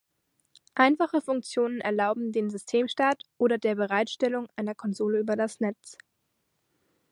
Einfache Funktionen erlauben den Systemstart oder der Bereitstellung einer Konsole über das Netz.